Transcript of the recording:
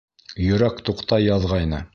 Йөрәк туҡтай яҙғайны.